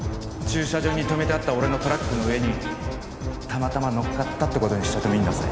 駐車場に止めてあった俺のトラックの上にたまたま載っかったって事にしてやってもいいんだぜ。